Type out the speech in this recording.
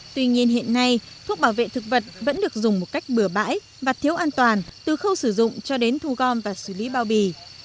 tuy nhiên hiện nay thuốc bảo vệ thực vật vẫn được dùng một cách bừa bãi và thiếu an toàn từ khâu sử dụng cho đến thu gom và xử lý bao bì